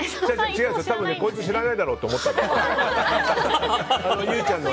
多分、こいつ知らねえだろと思ったの。